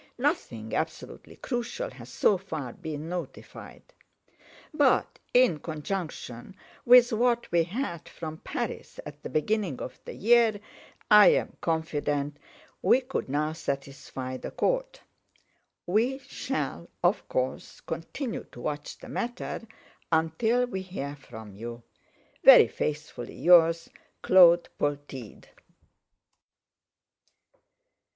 Nothing absolutely crucial has so far been notified. But in conjunction with what we had from Paris at the beginning of the year, I am confident we could now satisfy the Court. We shall, of course, continue to watch the matter until we hear from you. "Very faithfully yours, "CLAUD POLTEED."